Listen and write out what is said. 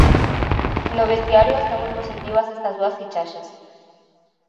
No vestiario son moi positivas estas dúas fichaxes.